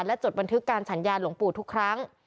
และจดบันทึกการสัญญาหลวงปู่ทุกครั้ง